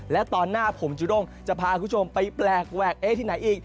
และตอนหน้าผมจุดงจะพาคุณผู้ชมไปแปลกที่ไหนอีก